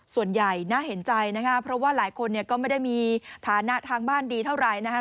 ส่วนใหญ่น่าเห็นใจนะคะเพราะว่าหลายคนเนี่ยก็ไม่ได้มีฐานะทางบ้านดีเท่าไหร่นะคะ